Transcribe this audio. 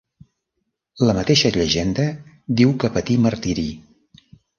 La mateixa llegenda diu que patí martiri.